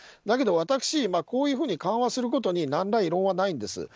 だけど、私こういうふうに緩和することに何ら異論はないんです。